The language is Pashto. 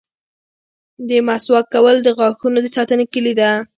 • د مسواک کول د غاښونو د ساتنې کلي ده.